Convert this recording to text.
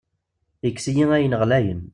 Yekkes-iyi ayen ɣlayen.